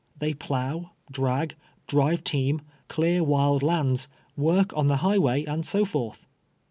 They plough, drag, drive team, clear wild lands, work on the higli way, and so forth.